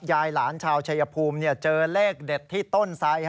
ยายหลานชาวชายภูมิเจอเลขเด็ดที่ต้นไซด